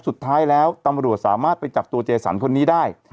สุดท้ายแล้วตำรวจสามารถไปจับตัวเจสันคนนี้ได้